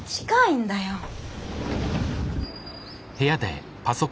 近いんだよ。